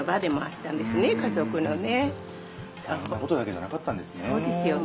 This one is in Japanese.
たいへんなことだけじゃなかったんですね。